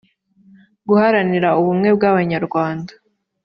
guharanira ubumwe bw’abanyarwanda